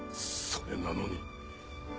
それなのに。